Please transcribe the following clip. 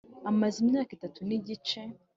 amaze imyaka itatu nigice